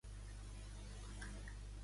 La meva música, la pots parar?